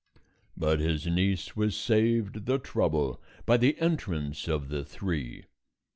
But his niece was saved the trouble by the entrance of the three.